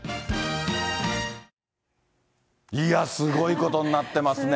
いやー、すごいことになってますね。